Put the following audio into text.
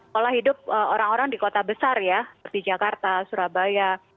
pola hidup orang orang di kota besar ya seperti jakarta surabaya